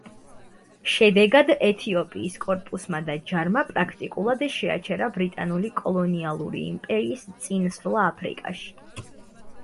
შედეგად ეთიოპიის კორპუსმა და ჯარმა პრაქტიკულად შეაჩერა ბრიტანული კოლონიალური იმპერიის წინსვლა აფრიკაში.